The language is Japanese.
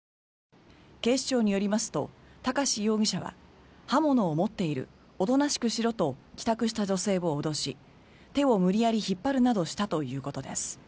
警視庁によりますと高師容疑者は刃物を持っているおとなしくしろと帰宅した女性を脅し手を無理やり引っ張るなどしたということです。